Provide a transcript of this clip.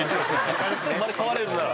生まれ変われるなら。